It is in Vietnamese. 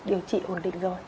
điều trị ổn định rồi